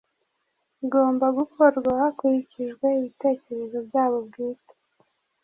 ugomba gukorwa hakurikijwe ibitekerezo byabo bwite.